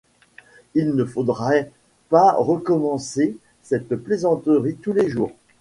Il ne faudrait pas recommencer cette plaisanterie tous les jours.